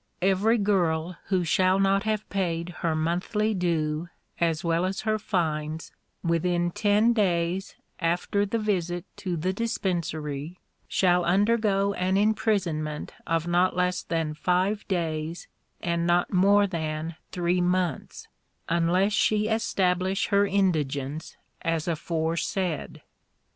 "Every girl who shall not have paid her monthly due, as well as her fines, within ten days after the visit to the Dispensary, shall undergo an imprisonment of not less than five days and not more than three months, unless she establish her indigence as aforesaid."